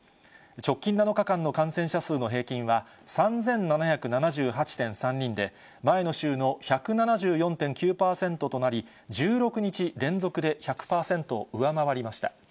直近７日間の感染者数の平均は、３７７８．３人で、前の週の１７４．９％となり、１６日連続で１００％を上回りました。